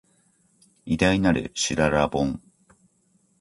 偉大なる、しゅららぼん